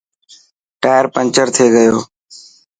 ٽائر پنچر ٿي گيو.